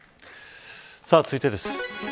さあ、続いてです。